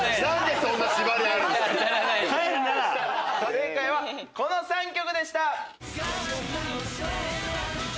正解はこの３曲でした。